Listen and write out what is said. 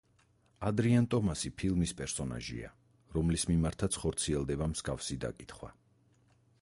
ადრიან ტომასი ფილმის პერსონაჟია, რომელის მიმართაც ხორციელდება მსგავსი დაკითხვა.